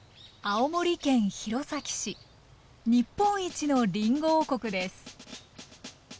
青森県弘前市日本一のりんご王国です